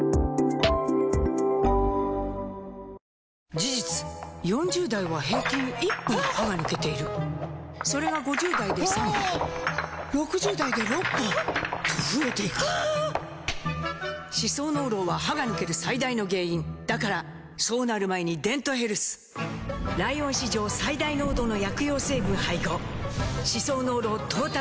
事実４０代は平均１本歯が抜けているそれが５０代で３本６０代で６本と増えていく歯槽膿漏は歯が抜ける最大の原因だからそうなる前に「デントヘルス」ライオン史上最大濃度の薬用成分配合歯槽膿漏トータルケア！